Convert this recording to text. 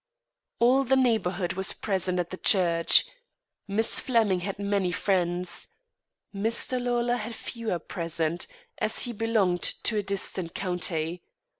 All the neighbourhood was present at the church. Miss Flemming had many friends. Mr. Lawlor had fewer present, as he belonged to a distant county.